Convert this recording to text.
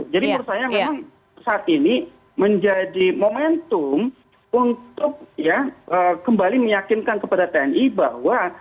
jadi menurut saya memang saat ini menjadi momentum untuk kembali meyakinkan kepada tni bahwa